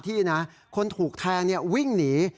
ที่นะคนถูกแทงวิ่งหนี